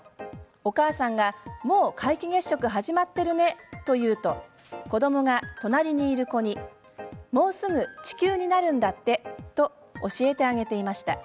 お母さんが、もう皆既月食始まっているねと言うと子どもが隣にいる子にもうすぐ地球になるんだって！と教えてあげていました。